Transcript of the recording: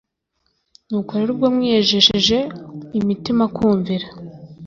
nuko rero ubwo mwiyejesheje imitima kumvira